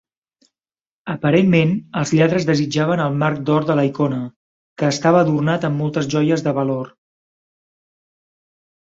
Aparentment, els lladres desitjaven el marc d'or de la icona, que estava adornat amb moltes joies de valor.